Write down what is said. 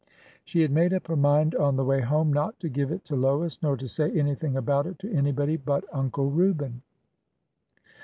She had made up her mind on the way home not to give it to Lois, nor to say anything about it to anybody but Uncle Reuben.